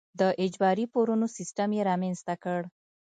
د اجباري پورونو سیستم یې رامنځته کړ.